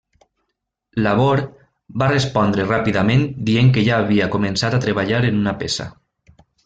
Labor va respondre ràpidament dient que ja havia començat a treballar en una peça.